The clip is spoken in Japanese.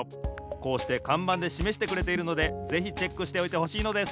こうしてかんばんでしめしてくれているのでぜひチェックしておいてほしいのです。